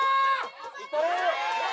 いったれ！